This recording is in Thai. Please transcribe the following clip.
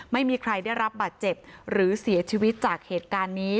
ไม่มีใครได้รับบาดเจ็บหรือเสียชีวิตจากเหตุการณ์นี้